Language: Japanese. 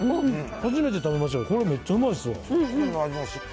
初めて食べましたけど、これ、めっちゃうまいですわ。